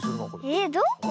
えっどこ？